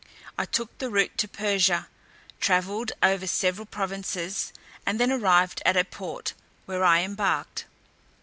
I took the route of Persia, travelled over several provinces, and then arrived at a port, where I embarked.